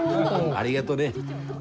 ありがどね。